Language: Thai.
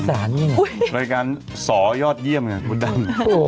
รายการสอยอดเยี่ยมน่ะบุ๊ดดัน